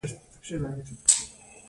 د جلغوزي ګل څنګه وي؟